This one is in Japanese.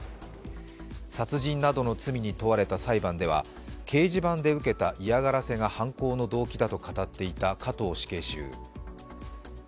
殺人などの罪に問われた裁判では掲示板で受けた嫌がらせが犯行の動機だと語っていた加藤死刑囚。